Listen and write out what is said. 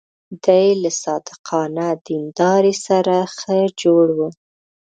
دی له صادقانه دیندارۍ سره ښه جوړ و.